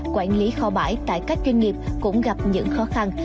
quản lý kho bãi tại các doanh nghiệp cũng gặp những khó khăn